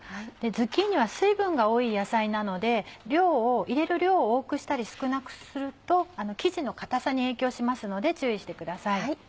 ズッキーニは水分が多い野菜なので入れる量を多くしたり少なくすると生地の硬さに影響しますので注意してください。